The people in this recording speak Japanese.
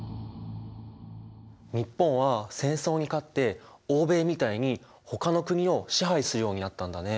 日本は戦争に勝って欧米みたいにほかの国を支配するようになったんだね。